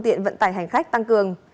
tại hành khách tăng cường